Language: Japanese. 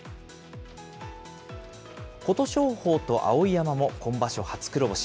琴勝峰と碧山も今場所初黒星。